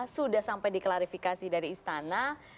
sudah sampai diklarifikasi dari istana